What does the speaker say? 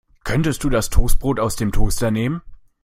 Könntest du das Toastbrot aus dem Toaster nehmen?